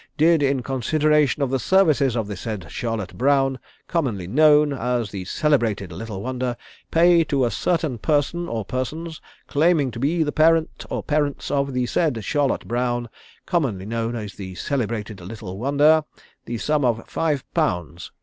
did in consideration of the services of the said Charlotte Brown, commonly known as the celebrated Little Wonder, pay to a certain person or persons claiming to be the parent or parents of the said Charlotte Brown, commonly known as the celebrated Little Wonder, the sum of five pounds (5_l_.)